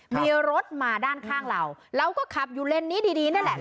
มีรถมาด้านข้างเราเราก็ขับอยู่เลนส์นี้ดีนั่นแหละ